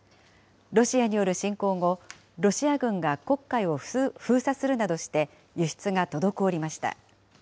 ロシアによる侵攻後、ロシア軍が黒海を封鎖するなどして、輸出が滞りました。